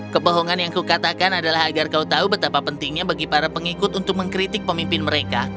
kebohongan yang kukatakan adalah agar kau tahu betapa pentingnya bagi para pengikut untuk mengkritik pemimpin mereka